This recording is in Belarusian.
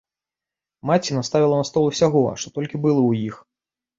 Маці наставіла на стол усяго, што толькі было ў іх.